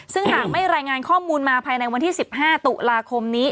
ซึ่งหากไม่รายงานข้อมูลมาภายในวันที่๑๕ตุลาคมนี้